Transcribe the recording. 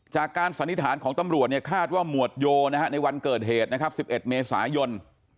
จากการสันนิษฐานของตำรวจคาดว่าหมวดโยในวันเกิดเหตุ๑๑เมษายน